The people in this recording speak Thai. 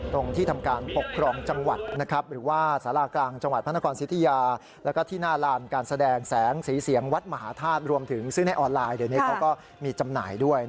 ตรงที่ทำการปกครองจังหวัด